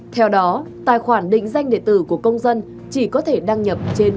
theo đó tài khoản định danh địa tử của công dân chỉ có thể đăng nhập trên